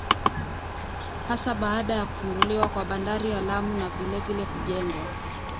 hasa baada ya kufunguliwa kwa bandari ya Lamu na vilevile kujengwa